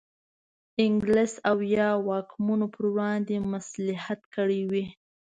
انګلیس او یا واکمنو پر وړاندې مصلحت کړی وي.